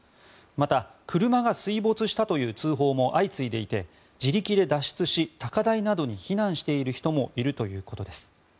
また車が水没したという通報も相次いでいて自力で脱出し高台などに避難している人もいるということです。